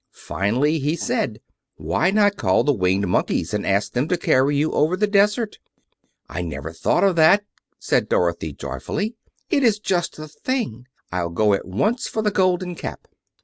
Finally he said: "Why not call the Winged Monkeys, and ask them to carry you over the desert?" "I never thought of that!" said Dorothy joyfully. "It's just the thing. I'll go at once for the Golden Cap."